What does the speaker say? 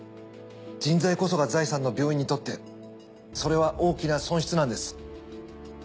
人材こそが財産の病院にとってそれは大きな損失なんです。